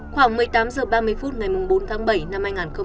khoảng một mươi tám h ba mươi phút ngày bốn tháng bảy năm hai nghìn một mươi tám